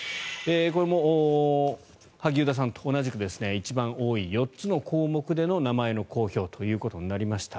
これも萩生田さんと同じく一番多い４つの項目での名前の公表となりました。